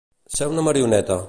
Ser una marioneta.